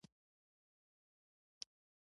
که غواړې راتلونکي نسلونه مو په درناوي ياد کړي.